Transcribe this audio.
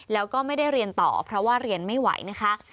แล้วก็ไม่ได้เรียนต่อเพราะว่าเรียนไม่ไหวนะคะ